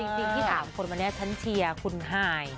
เอาจริงที่สามคนมันชั้นเชียร์คุณหาย